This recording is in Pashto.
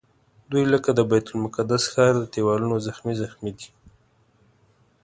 دوی لکه د بیت المقدس ښار د دیوالونو زخمي زخمي دي.